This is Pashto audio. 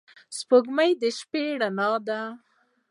• سپوږمۍ د شپې رڼا ده.